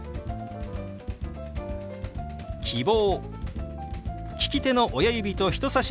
「希望」。